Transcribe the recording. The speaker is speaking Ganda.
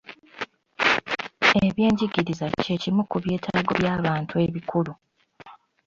Ebyenjigiriza kye kimu ku byetaago by'abantu ebikulu.